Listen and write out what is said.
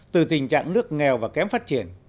từ tình trạng nước nghèo và kém phát triển